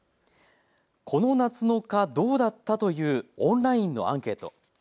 この夏の蚊、どうだった？というオンラインのアンケート。